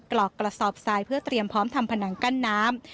หลอกกระสอบทรายเพื่อเตรียมพร้อมทำผนังกั้นน้ำ